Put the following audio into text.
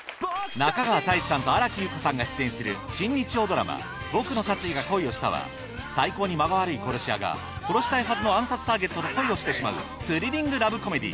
中川大志さんと新木優子さんが出演する新日曜ドラマ『ボクの殺意が恋をした』は最高に“間が悪い”殺し屋が殺したいはずの“暗殺ターゲット”と恋をしてしまうスリリング・ラブコメディ。